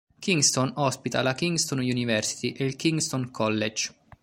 Kingston ospita la Kingston University e il Kingston College.